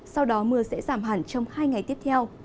sau đó mưa sẽ giảm hẳn trong hai ngày tiếp theo